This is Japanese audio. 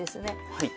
はい。